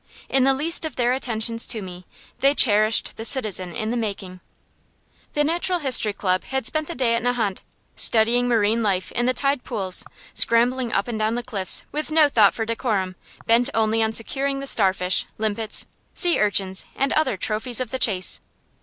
In the least of their attentions to me, they cherished the citizen in the making. The Natural History Club had spent the day at Nahant, studying marine life in the tide pools, scrambling up and down the cliffs with no thought for decorum, bent only on securing the starfish, limpets, sea urchins, and other trophies of the chase.